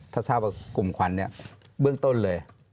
ถ้าทราบว่ากลุ่มควันเนี่ยเบื้องต้นเลย